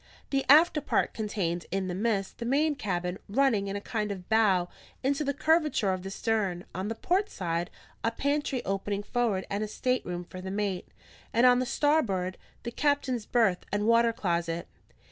The after part contained, in the midst, the main cabin, running in a kind of bow into the curvature of the stern; on the port side, a pantry opening forward and a stateroom for the mate; and on the starboard, the captain's berth and water closet.